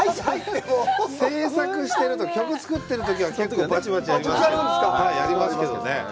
製作してる、曲作ってるときは結構バチバチやりますけど。